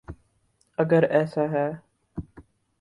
اگر ایسا ہے۔